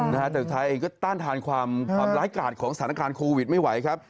แต่ไทยเองก็ต้านทานความร้ายกาดของสถานการณ์โควิดไม่ไหวครับ